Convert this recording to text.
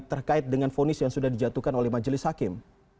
terkait dengan fonis yang sudah dijatuhkan oleh majelis hakim